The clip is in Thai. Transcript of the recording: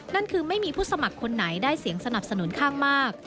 นั่นคือไม่มีผู้สมัครคนไหนได้เสียงสนับสนุนข้างมาก